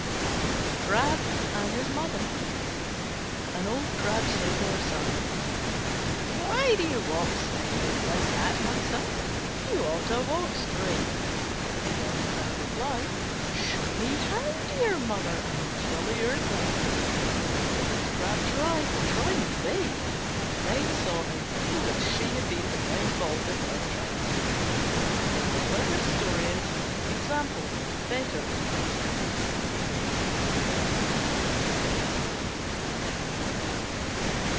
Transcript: THE CRAB AND HIS MOTHER An Old Crab said to her son, "Why do you walk sideways like that, my son? You ought to walk straight." The Young Crab replied, "Show me how, dear mother, and I'll follow your example." The Old Crab tried, but tried in vain, and then saw how foolish she had been to find fault with her child. Example is better than precept.